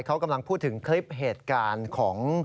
เขากำลังพูดถึงคลิปเหตุการณ์ของ